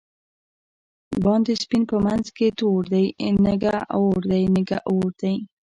باندی سپین په منځ کی تور دۍ، نگه اور دی نگه اور دی